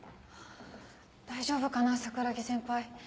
大丈夫かな桜樹先輩。